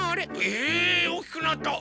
えっ⁉おおきくなった！